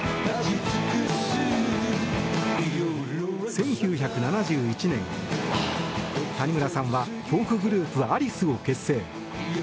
１９７１年、谷村さんはフォークグループ、アリスを結成。